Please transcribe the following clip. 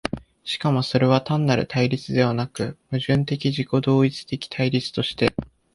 しかもそれは単なる対立ではなく、矛盾的自己同一的対立として、